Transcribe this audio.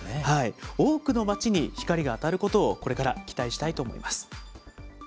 多くの街に光が当たることをこれから期待したいと思います。